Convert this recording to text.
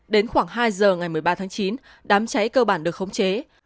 đến khoảng hai giờ ngày một mươi ba tháng chín đám cháy cơ bản được khống chế